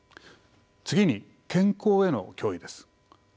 次に健康への脅威です。